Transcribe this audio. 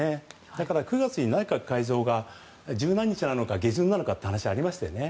だから、９月に内閣改造が１０何日なのか下旬なのかという話がありましたよね。